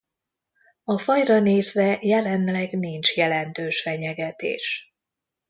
A fajra nézve jelenleg nincs jelentős fenyegetés.